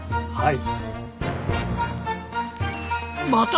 はい。